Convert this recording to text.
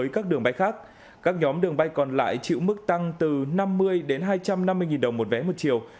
các đường bay còn lại chịu mức tăng từ năm mươi đồng đến hai trăm năm mươi đồng một vé một chiều